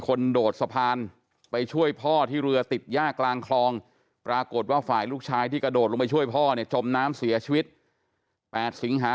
ก็หาไม่เจอแล้วไงจนเขาแบบว่าเขาจะถอดใจแล้วไง